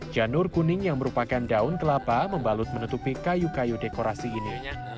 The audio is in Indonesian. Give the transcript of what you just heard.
janur kuning yang merupakan daun kelapa membalut menutupi kayu kayu dekorasi ini